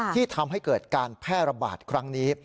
ที่ทำให้เกิดการแพร่ระบาดครั้งนี้